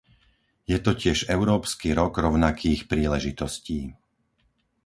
Je to tiež Európsky rok rovnakých príležitostí.